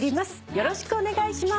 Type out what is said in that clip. よろしくお願いします。